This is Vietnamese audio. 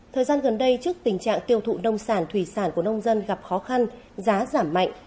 thời gian gần đây trước tình trạng tiêu thụ nông sản thủy sản của nông dân gặp khó khăn giá giảm mạnh